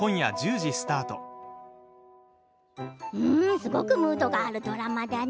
すごくムードがあるドラマだね。